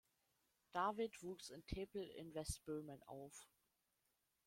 David wuchs in Tepl in Westböhmen auf.